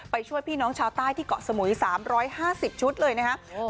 ไปช่วยพี่น้องชาวใต้ที่เกาะสมุยสามร้อยห้าสิบชุดเลยนะคะโอ้